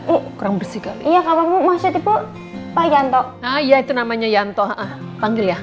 ini kurang bersih kali ya kalau mau maksudnya bu pak yanto ayah itu namanya yanto panggil ya